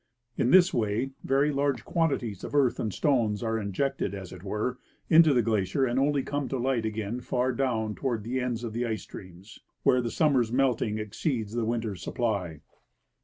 In this way very large quan tities of earth and stones are injected, as it were, into the glacier, and only come to light again far down toward the ends of the ice streams, where the summer's melting exceeds the winter's supply.